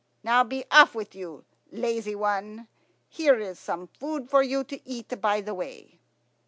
"Now, be off with you, lazy one. Here is some food for you to eat by the way."